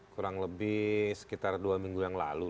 kurang lebih sekitar dua minggu yang lalu